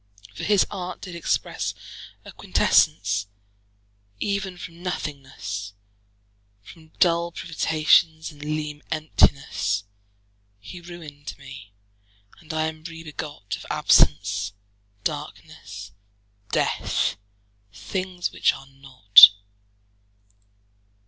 For his art did expresse A quintessence even from nothingnesse, From dull privations, and leane emptinesse: He ruin'd mee, and I am re begot Of absence, darknesse, death; things which are not.